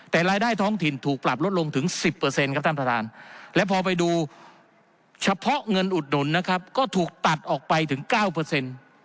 แต่รายได้ท้องถิ่นถูกปรับลดลงถึง๑๐ครับท่านประธาน